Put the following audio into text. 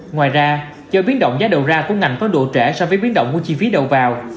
ngoài ra do biến động giá đầu ra của ngành có độ trễ so với biến động của chi phí đầu vào